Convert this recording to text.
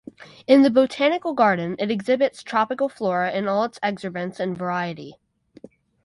In the botanical garden it exhibits tropical flora in all its exuberance and variety.